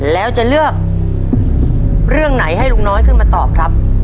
แล้วจะเลือกเรื่องไหนให้ลุงน้อยขึ้นมาตอบครับ